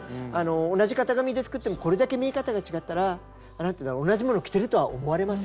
同じ型紙で作ってもこれだけ見え方が違ったら何ていうんだろう同じ物を着てるとは思われません。